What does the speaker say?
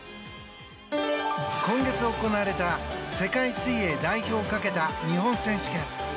今月行われた世界水泳代表をかけた日本選手権。